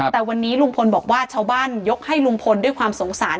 แต่วันนี้ลุงพลบอกว่าชาวบ้านยกให้ลุงพลด้วยความสงสาร